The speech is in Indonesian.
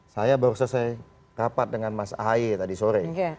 saya baru saja saya rapat dengan mas ahy tadi sore